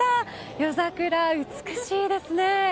夜桜、美しいですね。